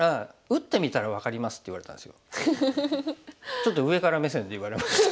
ちょっと上から目線で言われました。